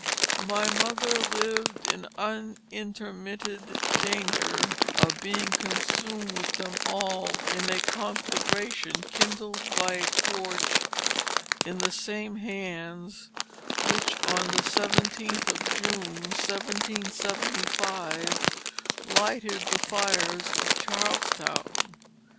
My mother lived in unintermitted danger of being consumed with them all in a conflagration kindled by a torch in the same hands which on the seventeenth of June (1775) lighted the fires of Charlestown.